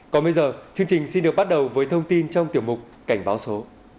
còn bây giờ chương trình xin được bắt đầu với thông tin trong tiểu mục cảnh báo số